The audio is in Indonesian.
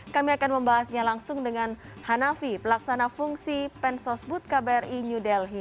kami akan membahasnya langsung dengan hanafi pelaksana fungsi pensosbud kbri new delhi